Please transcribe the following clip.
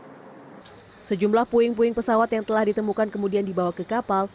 dan sejumlah puing puing pesawat yang telah ditemukan kemudian dibawa ke kapal